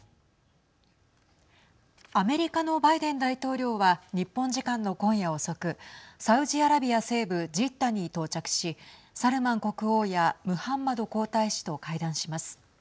アメリカのバイデン大統領は日本時間の今夜遅くサウジアラビア西部ジッダに到着しサルマン国王やムハンマド皇太子と会談します。